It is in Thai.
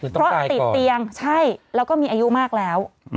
คือต้องกายก่อนเพราะติดเตียงใช่แล้วก็มีอายุมากแล้ว